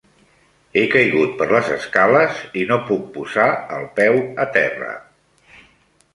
He caigut per les escales i no puc posar el peu a terra.